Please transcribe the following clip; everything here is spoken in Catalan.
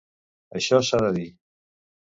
Això s’ha de dir.